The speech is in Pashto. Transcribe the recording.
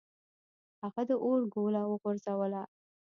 هغه د اور ګوله وغورځوله.